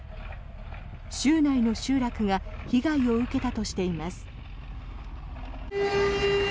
州内の集落が被害を受けたとしています。